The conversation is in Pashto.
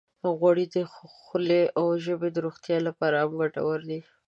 غوړې د خولې او ژبې روغتیا لپاره هم ګټورې دي.